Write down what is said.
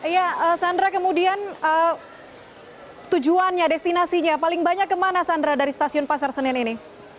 iya sandra kemudian tujuannya destinasi nya paling banyak kemana sandra dari stasiun pasar senin ini